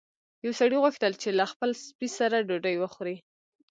یو سړي غوښتل چې له خپل سپي سره ډوډۍ وخوري.